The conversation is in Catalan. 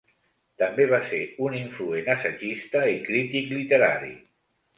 També va ser un influent assagista i crític literari.